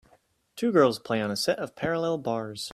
Two girls play on a set of parallel bars